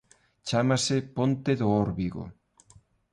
Chámase Ponte do Órbigo.